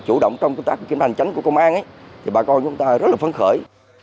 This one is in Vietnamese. chủ động trong công tác kiểm hành tránh của công an thì bà con chúng ta rất là phấn khởi